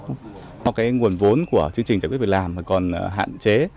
do cái nguồn vốn của chương trình giải quyết việc làm còn hạn chế